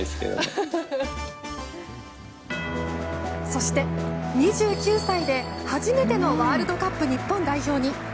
そして、２９歳で初めてのワールドカップ日本代表に。